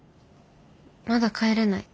まだ帰れない。